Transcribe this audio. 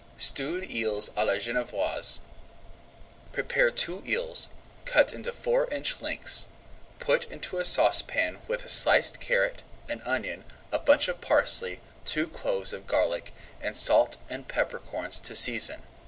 STEWED EELS À LA GENEVOISE Prepare two eels, cut into four inch lengths. [Page 124] Put into a saucepan with a sliced carrot, an onion, a bunch of parsley, two cloves of garlic, and salt and pepper corns to season.